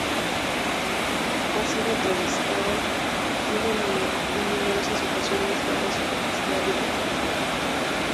Ha sido entrevistada en numerosas ocasiones dada su capacidad divulgadora.